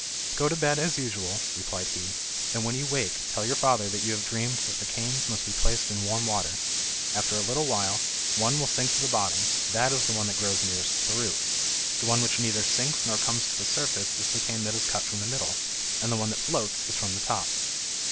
"Go to bed as usual," replied he, "and when you wake, tell your father that you have dreamed that the canes must be placed in warm water. After a little while one will sink to the bottom; that is the one that grows nearest the root. The one which neither sinks nor comes to the surface is the cane that is cut from the middle; and the one that floats is from the top."